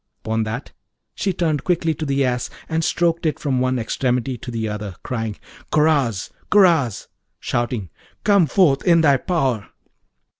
Upon that, she turned quickly to the Ass and stroked it from one extremity to the other, crying, 'Karaz! Karaz!' shouting, 'Come forth in thy power!'